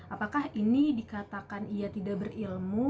apakah ini dikatakan ia tidak berilmu